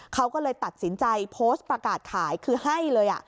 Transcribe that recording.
เขาก็เลยตัดสินใจโพสต์ประกาศขายคือให้เลย